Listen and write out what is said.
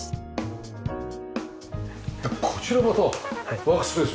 こちらがワークスペース。